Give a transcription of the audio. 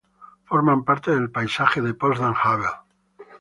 Forman parte del "Paisaje de Potsdam Havel".